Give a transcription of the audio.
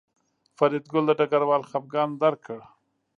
فریدګل د ډګروال خپګان درک کړ